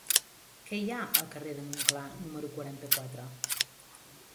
Què hi ha al carrer de Montclar número quaranta-quatre?